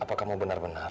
apakah kamu benar benar